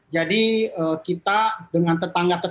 jadi kita dengan tetangga tetangga